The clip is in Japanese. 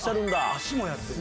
足もやってる。